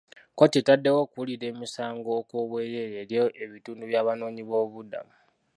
Kkooti etaddewo okuwulira emisango okw'obwereere eri ebitundu by'abanoonyi b'obubuddamu.